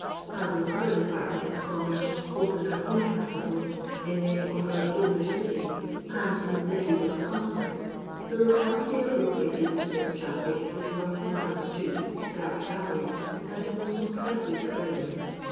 As in other departments of commerce, both in our own capitil, in many of our older cities, and in the cities of the Continent, the locality appropriated to this traffic is one of narrow streets, dark alleys, and most oppressive crowding.